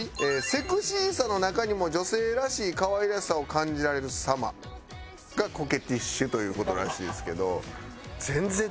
セクシーさの中にも女性らしい可愛らしさを感じられる様がコケティッシュという事らしいですけど。